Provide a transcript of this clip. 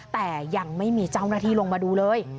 แต่ยังไม่มีเจ้าหน้าที่ลงมาดูเลย